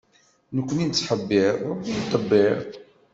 Nekni nettḥebbiṛ, Ṛebbi ittḍebbir.